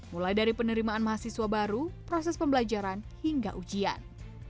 mulai dari penerimaan mahasiswa baru proses pembelajaran hingga ujian